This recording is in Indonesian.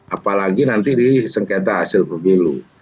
apalagi nanti disengketa hasil pemilu